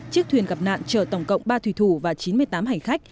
chiếc thuyền gặp nạn chở tổng cộng ba thủy thủ và chín mươi tám hành khách